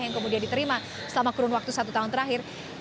yang kemudian diterima selama kurun waktu satu tahun terakhir